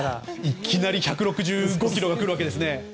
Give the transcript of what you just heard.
いきなり１６５キロが来るわけですね。